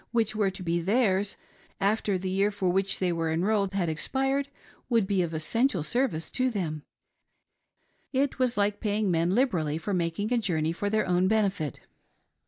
which were to be theirs, after the year for which they were enrolled had expired, would be of essential service to thefii. It was like paying men liberally for making a journey for their own benefit.